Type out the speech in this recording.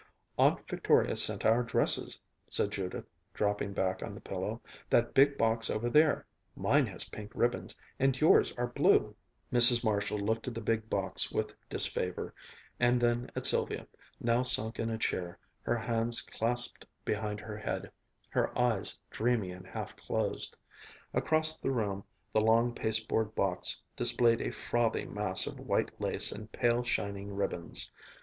"Aunt Victoria sent our dresses," said Judith, dropping back on the pillow. "That big box over there. Mine has pink ribbons, and yours are blue." Mrs. Marshall looked at the big box with disfavor, and then at Sylvia, now sunk in a chair, her hands clasped behind her head, her eyes dreamy and half closed. Across the room the long pasteboard box displayed a frothy mass of white lace and pale shining ribbons.